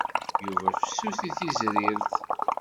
Yuba fessus i tezrirt.